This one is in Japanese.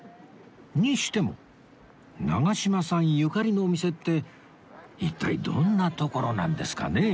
にしても長嶋さんゆかりのお店って一体どんな所なんですかね？